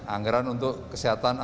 anggaran untuk kesehatan